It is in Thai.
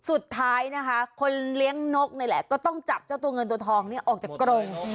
สุดท้ายนะคะคนเลี้ยงนกนี่แหละก็ต้องจับเจ้าตัวเงินตัวทองเนี่ยออกจากกรง